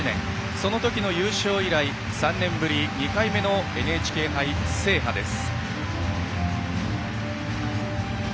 そのときの優勝以来３年ぶり２回目のＮＨＫ杯制覇です。